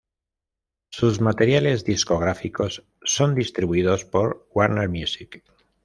Sus materiales discográficos son distribuidos por Warner Music.